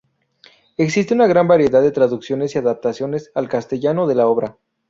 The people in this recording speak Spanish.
Existe una gran variedad de traducciones y adaptaciones al castellano de la obra.